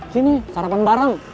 sini sarapan bareng